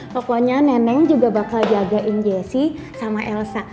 pokoknya nenek juga bakal jagain jessi sama elsa